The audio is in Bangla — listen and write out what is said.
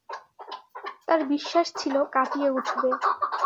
তার বিশ্বাস ছিল কাটিয়ে উঠবে।